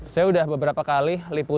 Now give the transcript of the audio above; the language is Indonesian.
saya sudah beberapa kali liputan